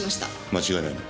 間違いないな？